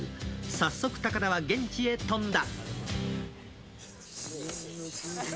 早速、高田は現地へ飛んだ。